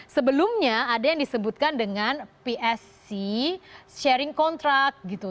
sebelumnya ada yang disebutkan dengan psc sharing contract gitu